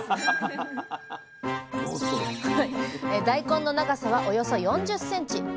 大根の長さはおよそ４０ｃｍ。